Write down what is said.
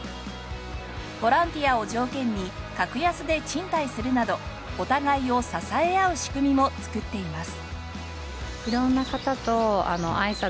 ボランティアを条件に格安で賃貸するなどお互いを支え合う仕組みも作っています。